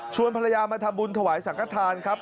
ชวนภรรยามธบุลถวายสังฆราณครับ